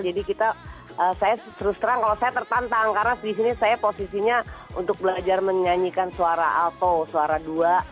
kita saya terus terang kalau saya tertantang karena disini saya posisinya untuk belajar menyanyikan suara alpho suara dua